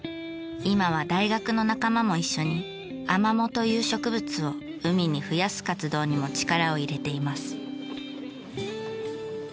今は大学の仲間も一緒にアマモという植物を海に増やす活動にも力を入れています。